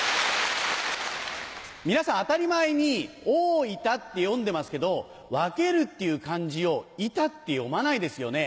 皆さん当たり前に「おおいた」って読んでますけど「分ける」っていう漢字を「いた」って読まないですよね。